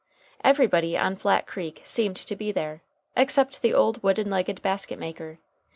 Everybody on Flat Creek seemed to be there, except the old wooden legged basket maker.